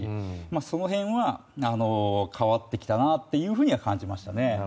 その辺は、変わってきたなというふうには感じましたね。